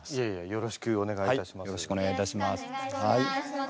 よろしくお願いします。